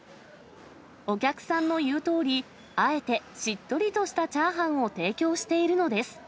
お客さんの言うとおり、あえて、しっとりとしたチャーハンを提供しているのです。